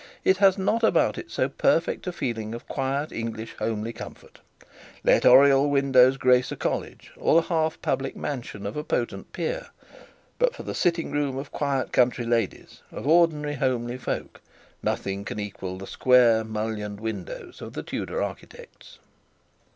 It has not about it so perfect a feeling of quiet English homely comfort. Let oriel windows grace a college, or the half public mansion of a potent peer; but for the sitting room of quiet country ladies, of ordinary homely folk, nothing can equal the square mullioned windows of the Tudor architects.